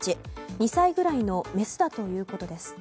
２歳ぐらいのメスだということです。